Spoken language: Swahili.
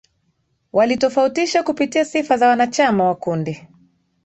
walitofautisha kupitia sifa za wanachama wa kundi